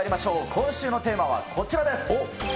今週のテーマはこちらです。